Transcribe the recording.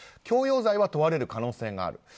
強要罪は問われる可能性がある。